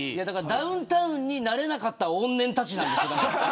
ダウンタウンになれなかった怨念たちなんです。